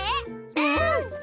うん！